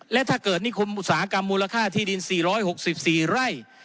และถ้าเกิดนิคมอุตสาหกรรมมูลค่าที่ดิน๔๖๔ไร่